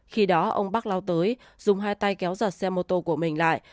khi đó ông bắc lao tới dùng hai tay kéo giật xe mô tô của mình lại